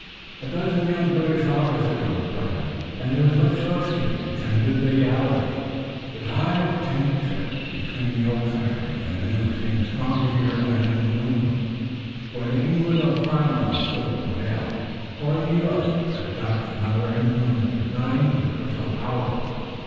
A dozen young British officers were present, and there was much toasting and conviviality. The tie of kinship between the old country and the new seemed stronger here than in New England, where the England of Cromwell still prevailed, or in New York, where the Dutch and other influences not English were so powerful.